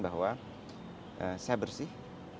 bahwa saya bersih